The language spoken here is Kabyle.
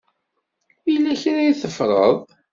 Yella kra i teffreḍ.